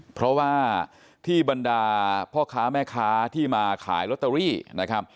เพราะว่าที่บรรดาพ่อค้าแม่ค้าที่มาขายลอตเตอรี่นะครับ